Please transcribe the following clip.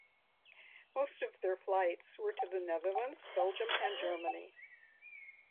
Most of their flights were to the Netherlands, Belgium and Germany.